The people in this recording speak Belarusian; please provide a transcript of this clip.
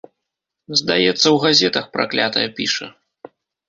Здаецца, у газетах, праклятая, піша.